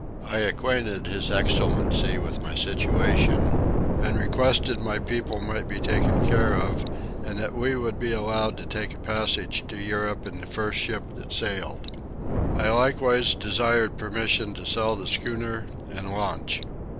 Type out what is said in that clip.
I acquainted his excellency with my situation and requested my people might be taken care of and that we should be allowed to take a passage to Europe in the first ship that sailed. I likewise desired permission to sell the schooner and launch.